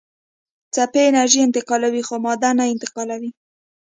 څپې انرژي انتقالوي خو ماده نه انتقالوي.